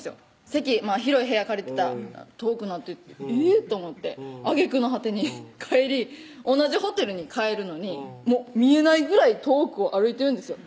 席広い部屋借りてた遠くなっていってえぇっと思ってあげくの果てに帰り同じホテルに帰るのにもう見えないぐらい遠くを歩いてるんですよ